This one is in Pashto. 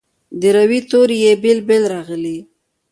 د روي توري یې بیل بیل راغلي.